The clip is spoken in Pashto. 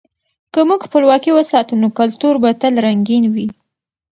که موږ خپلواکي وساتو، نو کلتور به تل رنګین وي.